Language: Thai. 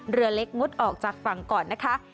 เรือเล็กงดออกจากฝั่งก่อนนะคะ